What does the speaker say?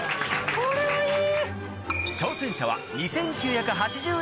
・・これはいい！